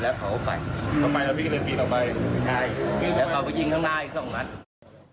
ใช่เขาก็วิ่งข้างหน้าเรือกับข้องนั้น